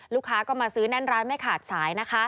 ลูกค้าก็มาซื้อแน่นร้านไม่ขาดสายนะคะ